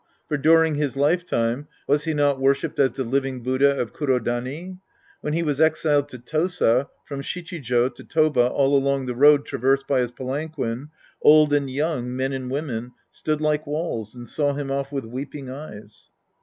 For during his lifetime, was he not worshiped as the living Buddha of Kuro dani ? When he was exiled to Tosa, from Shichij5 to Toba all along the road traversed by his palan quin, old and young, men and women, stood like walls and saw him off with weeping eyes.